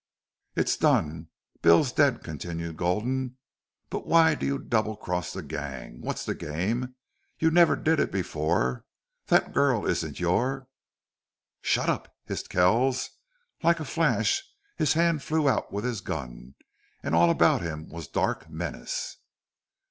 "It's done. Bill's dead," continued Gulden. "But why do you double cross the gang? What's the game? You never did it before.... That girl isn't your " "Shut up!" hissed Kells. Like a flash his hand flew out with his gun, and all about him was dark menace.